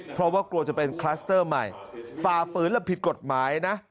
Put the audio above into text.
เพราะว่ากลัวจะเป็นคลัสเตอร์ใหม่ฝ่าฝืนและผิดกฎหมายนะ